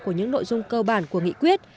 của những nội dung cơ bản của nghị quyết